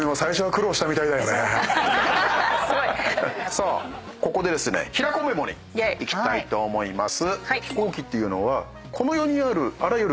さあここでですね平子メモにいきたいと思います。